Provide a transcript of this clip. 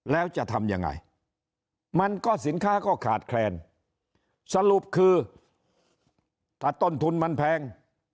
แล้วจะทำยังไงมันก็สินค้าก็ขาดแคลนสรุปคือถ้าต้นทุนมันแพง